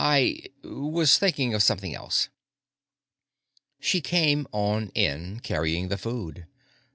"I ... was thinking of something else." She came on in, carrying the food.